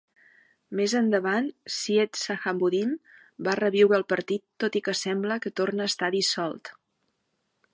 Més endavant, Syed Shahabuddin va reviure el partit, tot i que sembla que torna a estar dissolt.